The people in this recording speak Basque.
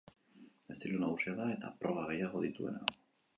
Estilo nagusia da, eta proba gehiago dituena.